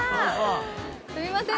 すいません